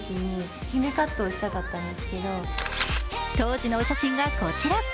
当時のお写真がこちら。